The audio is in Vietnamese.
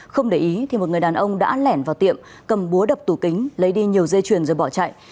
không để ý thì một người đàn ông đã lẻn vào tiệm cầm búa đập tủ kính lấy đi nhiều dây chuyền rồi bỏ chạy